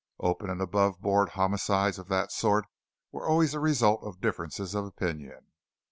Open and above board homicides of that sort were always the result of differences of opinion.